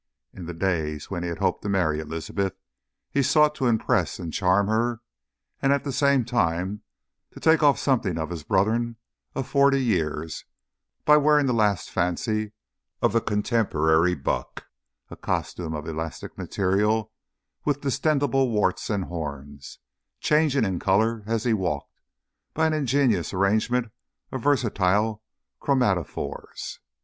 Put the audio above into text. In the days when he hoped to marry Elizabeth, he sought to impress and charm her, and at the same time to take off something of his burthen of forty years, by wearing the last fancy of the contemporary buck, a costume of elastic material with distensible warts and horns, changing in colour as he walked, by an ingenious arrangement of versatile chromatophores.